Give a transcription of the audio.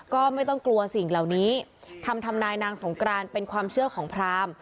ก็ไม่ต้องกลัวสิ่งเหล่านี้คำทำนายนางสงกรานเป็นความเชื่อของพราม